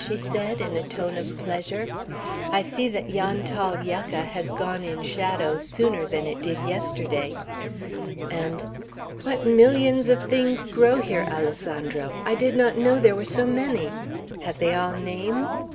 she said, in a tone of pleasure. "I see that yon tall yucca has gone in shadow sooner than it did yesterday." And, "What millions of things grow here, Alessandro! I did not know there were so many. Have they all names?